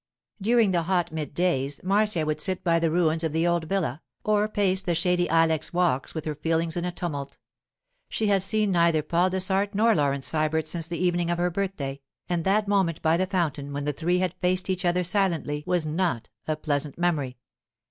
During the hot mid days Marcia would sit by the ruins of the old villa or pace the shady ilex walks with her feelings in a tumult. She had seen neither Paul Dessart nor Laurence Sybert since the evening of her birthday, and that moment by the fountain when the three had faced each other silently was not a pleasant memory.